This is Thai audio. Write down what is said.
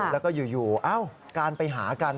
แล้วก็อยู่การไปหากัน